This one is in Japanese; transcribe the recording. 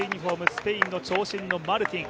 スペインの長身のマルティン。